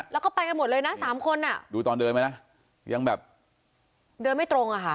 แล้วก็ไปกันหมดเลยนะสามคนอ่ะดูตอนเดินไปนะยังแบบเดินไม่ตรงอ่ะค่ะ